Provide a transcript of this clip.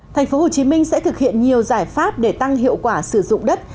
thành phố hồ chí minh sẽ thực hiện nhiều giải pháp để tăng hiệu quả sử dụng đất